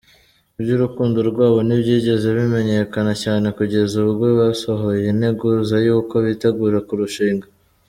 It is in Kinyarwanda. Iby’urukundo rwabo ntibyigize bimenyekana cyane kugeza ubwo basohoye integuza y’uko bitegura kurushinga.